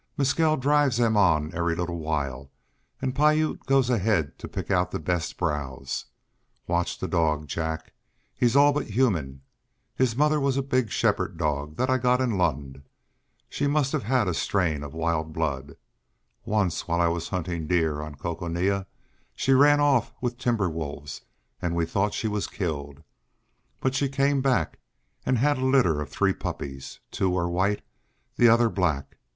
"Mescal drives them on every little while and Piute goes ahead to pick out the best browse. Watch the dog, Jack; he's all but human. His mother was a big shepherd dog that I got in Lund. She must have had a strain of wild blood. Once while I was hunting deer on Coconina she ran off with timber wolves and we thought she was killed. But she came back, and had a litter of three puppies. Two were white, the other black.